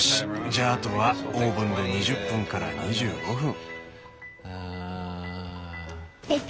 じゃああとはオーブンで２０分から２５分。